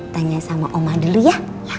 tanya sama omah dulu ya